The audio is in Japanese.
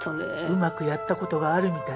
うまくやった事があるみたいね。